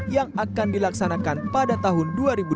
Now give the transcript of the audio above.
yang akan dilaksanakan pada tahun dua ribu dua puluh